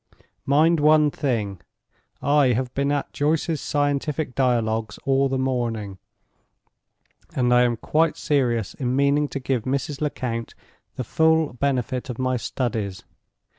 Mind one thing! I have been at Joyce's Scientific Dialogues all the morning; and I am quite serious in meaning to give Mrs. Lecount the full benefit of my studies.